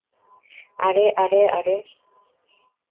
আরে, আরে, আরে!